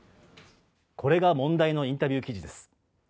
これが問題のインタビュー記事です。